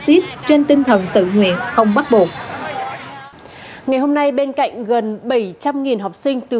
tiết trên tinh thần tự nguyện không bắt buộc ngày hôm nay bên cạnh gần bảy trăm linh học sinh từ